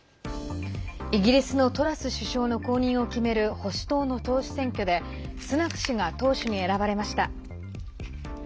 イギリスのトラス首相の後任を決める保守党の党首選挙でスナク氏が党首に選ばれました。